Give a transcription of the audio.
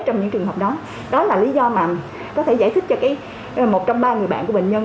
trong những trường hợp đó đó là lý do mà có thể giải thích cho một trong ba người bạn của bệnh nhân